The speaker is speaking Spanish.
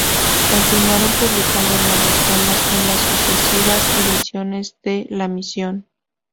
Continuaron publicando nuevos temas en las sucesivas ediciones de "La Misión".